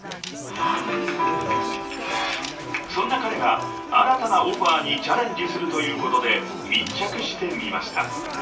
［そんな彼が新たなオファーにチャレンジするということで密着してみました］